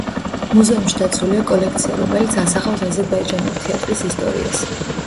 მუზეუმში დაცულია კოლექცია, რომელიც ასახავს აზერბაიჯანული თეატრის ისტორიას.